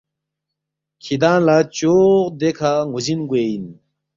کِھدانگ لہ چوق دیکھہ ن٘وزِن گوے اِن